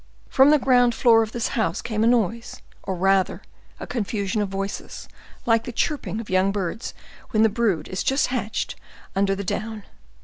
From the ground floor of this house came a noise, or rather a confusion of voices, like the chirping of young birds when the brood is just hatched under the down.